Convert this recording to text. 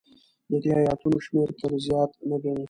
د دې ایتونو شمېر تر زیات نه ګڼي.